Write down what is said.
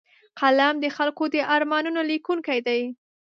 قلم د خلکو د ارمانونو لیکونکی دی